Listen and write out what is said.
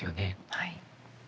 はい。